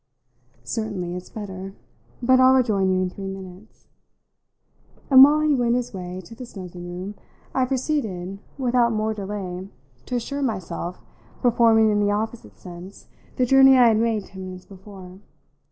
"Certainly it's better; but I'll rejoin you in three minutes." And while he went his way to the smoking room I proceeded without more delay to assure myself, performing in the opposite sense the journey I had made ten minutes before.